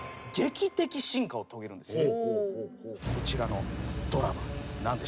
こちらのドラマ何でしょう？